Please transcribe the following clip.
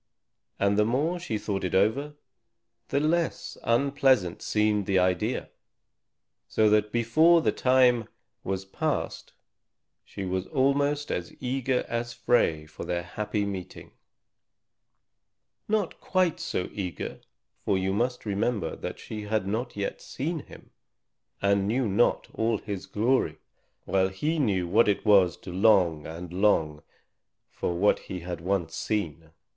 And the more she thought it over, the less unpleasant seemed the idea. So that before the time was passed, she was almost as eager as Frey for their happy meeting; not quite so eager, for you must remember that she had not yet seen him and knew not all his glory, while he knew what it was to long and long for what he had once seen.